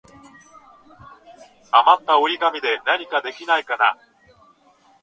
あまった折り紙でなんかできないかな。